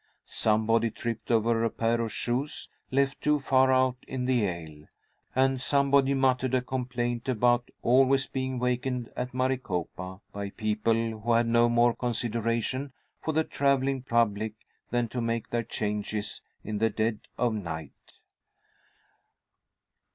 Somebody tripped over a pair of shoes, left too far out in the aisle, and somebody muttered a complaint about always being wakened at Maricopa by people who had no more consideration for the travelling public than to make their changes in the dead of night.